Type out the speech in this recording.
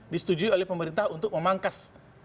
disetujui oleh pemerintah untuk memangkas